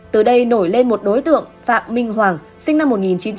từ đây nổi lên một đối tượng phạm minh hoàng sinh năm một nghìn chín trăm chín mươi hai